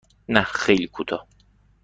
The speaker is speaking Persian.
نه خیلی کوتاه.